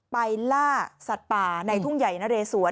ล่าสัตว์ป่าในทุ่งใหญ่นะเรสวน